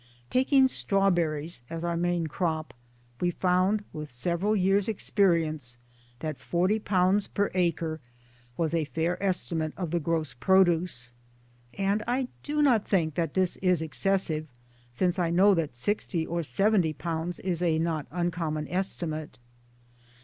Taking strawberries as our main crop, we found, with several years' experience, that 40 per acre was a fair estimate of the gross produce. (And I do not think that this is excessive since I know that 60 or 70 is a not uncommon estimate.)